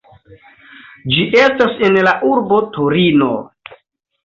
Ĝi estas en la urbo Torino.